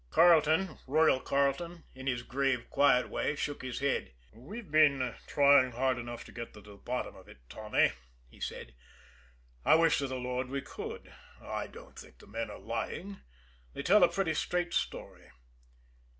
Carleton, "Royal" Carleton, in his grave, quiet way, shook his head. "We've been trying hard enough to get to the bottom of it, Tommy," he said. "I wish to the Lord we could. I don't think the men are lying they tell a pretty straight story.